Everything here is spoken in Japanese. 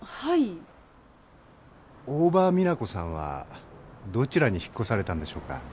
大庭実那子さんはどちらに引っ越されたんでしょうか？